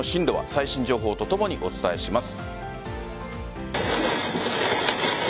最新情報とともにお伝えします。